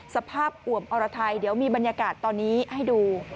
สภาพอวมอรไทยเดี๋ยวมีบรรยากาศตอนนี้ให้ดู